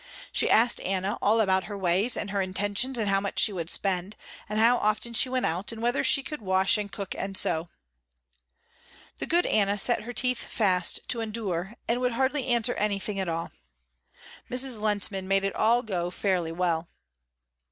She asked Anna all about her ways and her intentions and how much she would spend, and how often she went out and whether she could wash and cook and sew. The good Anna set her teeth fast to endure and would hardly answer anything at all. Mrs. Lehntman made it all go fairly well.